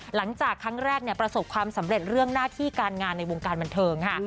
หลังจากครั้งแรกประสบความสำเร็จเรื่องหน้าที่การงานในวงการบันเทิงค่ะ